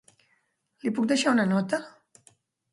Li puc deixar una nota?